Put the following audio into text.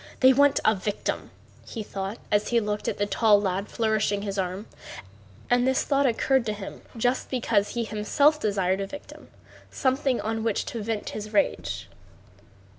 They want a victim," he thought as he looked at the tall lad flourishing his arm. And this thought occurred to him just because he himself desired a victim, something on which to vent his rage.